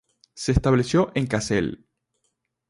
Se estableció en Kassel.